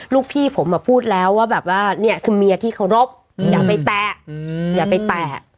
ลูกพี่ผมอ่ะพูดแล้วว่าแบบว่าเนี่ยคือเมียที่เค้ารบอย่าไปแตะ